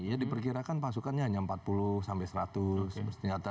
ya diperkirakan pasukannya hanya empat puluh sampai seratus